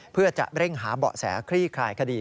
เพื่อจะเร่งหาเบาะแสคลี่คลายคดี